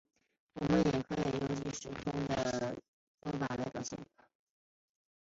此点我们也可藉由时空图的方法来表现出。